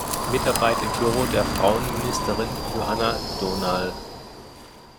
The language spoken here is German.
Mitarbeit im Büro der Frauenministerin Johanna Dohnal.